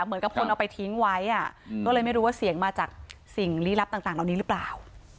เหมือนกับคนเอาไปทิ้งไว้อ่ะก็เลยไม่รู้ว่าเสียงมาจากสิ่งลี้ลับต่างเหล่านี้หรือเปล่า